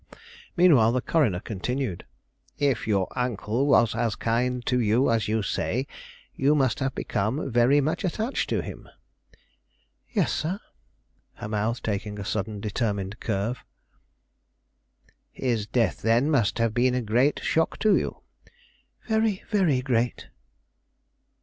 Meanwhile the coroner continued: "If your uncle was as kind to you as you say, you must have become very much attached to him?" "Yes, sir," her mouth taking a sudden determined curve. "His death, then, must have been a great shock to you?" "Very, very great."